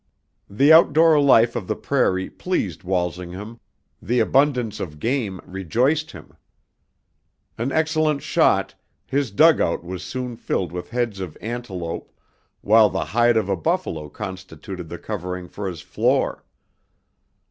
The outdoor life of the prairie pleased Walsingham, the abundance of game rejoiced him. An excellent shot, his dugout was soon filled with heads of antelope, while the hide of a buffalo constituted the covering for his floor.